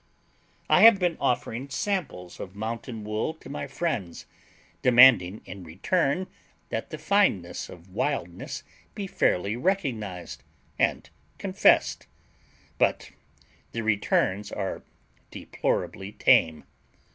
I have been offering samples of mountain wool to my friends, demanding in return that the fineness of wildness be fairly recognized and confessed, but the returns are deplorably tame.